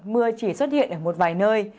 mưa chỉ xuất hiện ở một vài nơi